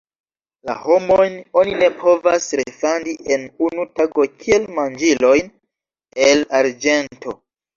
La homojn oni ne povas refandi en unu tago, kiel manĝilojn el arĝento.